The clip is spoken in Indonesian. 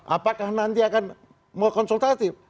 apakah nanti akan mau konsultatif